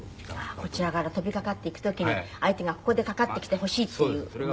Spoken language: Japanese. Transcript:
こちらから飛びかかっていく時に相手がここでかかってきてほしいっていう間合いが。